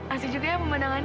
asik juga ya pemandangannya